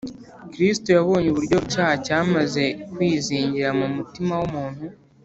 kristo yabonye uburyo icyaha cyamaze kwizingira mu mutima w’umuntu